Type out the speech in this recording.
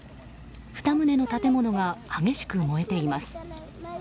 ２棟の建物が激しく燃えています。